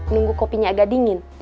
nunggu kopinya agak dingin